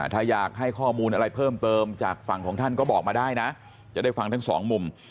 ถ้าอยากให้ข้อมูลอะไรเพิ่มเติมจากฝั่งของท่านก็บอกมาได้นะจะได้ฟังทั้งสองมุม